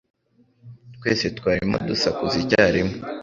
Twese twarimo dusakuza icyarimwe.